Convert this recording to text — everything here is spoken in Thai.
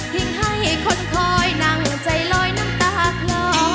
เพียงให้คนคอยนั่งใจลอยน้ำตากล่อ